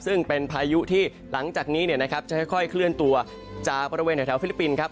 ซึ่งเป็นพายุที่หลังจากนี้จะค่อยเคลื่อนตัวจากบริเวณแถวฟิลิปปินส์ครับ